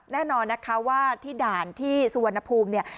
แน่นอนนะคะว่าที่ด่านที่สุวรรณภูมิเนี่ย